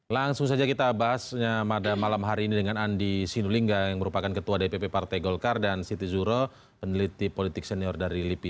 langsung saja kita bahas pada malam hari ini dengan andi sinulinga yang merupakan ketua dpp partai golkar dan siti zuro peneliti politik senior dari lipi